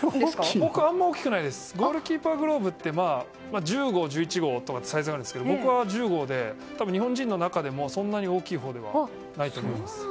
僕あんま大きくないですゴールキーパーグローブって１０号、１１号のサイズがいろいろあるんですけど僕は１０号で日本人の中でもそんなに大きいほうじゃないと思います。